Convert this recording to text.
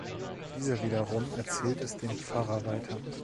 Dieser wiederum erzählt es dem Pfarrer weiter.